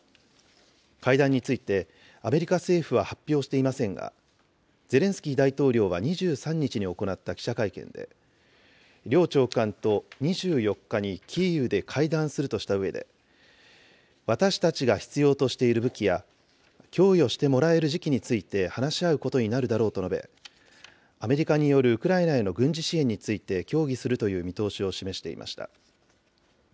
会談について、アメリカ政府は発表していませんが、ゼレンスキー大統領は２３日に行った記者会見で、両長官と２４日にキーウで会談するとしたうえで、私たちが必要としている武器や供与してもらえる時期について話し合うことになるだろうと述べ、アメリカによるウクライナへの軍事支援について協議するという見通しを示していました。